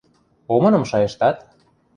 – Омыным шайыштат?